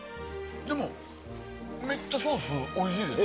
でも、めっちゃソースおいしいです。